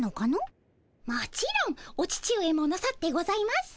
もちろんお父上もなさってございます。